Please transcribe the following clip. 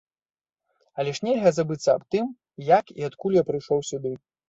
Але ж нельга забыцца аб тым, як і адкуль я прыйшоў сюды.